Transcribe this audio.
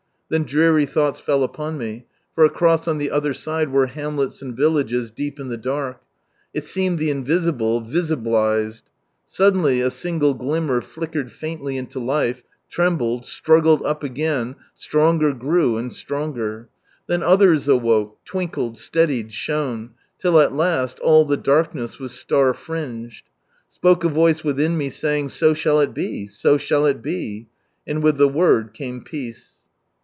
Then dreary thoughts fell upon me ; for across on the other side were hamlets and villages deep in the dark. It seemed the invisible visiblized. Suddenly a single glimmer flickered fainily into life, trembled, struggled up again, stronger grew, and stronger. Then others awoke, twinkled, steadied, shone; till at last, all the darkness was star fringed. Spoke a voice within me saying, "So shall it be I So shall it be!" and with the word came peace.